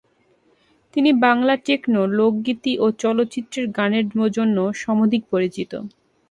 তিনি বাংলা টেকনো, লোকগীতি ও চলচ্চিত্রের গানের জন্য সমধিক পরিচিত।